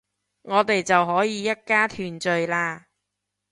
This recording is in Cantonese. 我哋就可以一家團聚喇